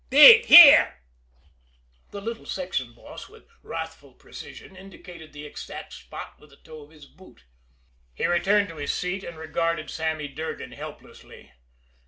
Dig here!" the little section boss, with wrathful precision, indicated the exact spot with the toe of his boot. He returned to his seat, and regarded Sammy Durgan helplessly.